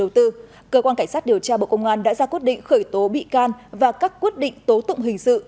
đầu tư cơ quan cảnh sát điều tra bộ công an đã ra quyết định khởi tố bị can và các quyết định tố tụng hình sự